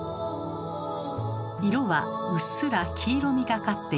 色はうっすら黄色みがかっています。